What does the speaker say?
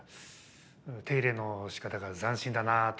手入れのしかたが斬新だなと思って。